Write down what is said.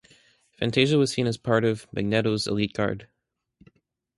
Phantazia was seen as part of Magneto's elite guard.